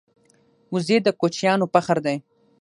وزې د کوچیانو فخر دی